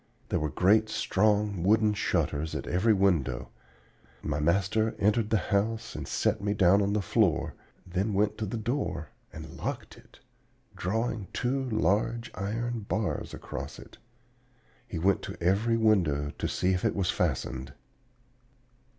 There were great strong wooden shutters at every window. My master entered the house and set me down on the floor, then went to the door and locked it, drawing two large iron bars across it. He went to every window to see if it was fastened.